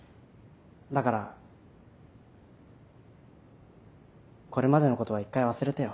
だからこれまでのことは一回忘れてよ。